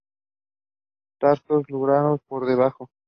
Tarsos lobulados por debajo.